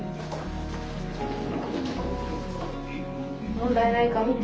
問題ないか見て。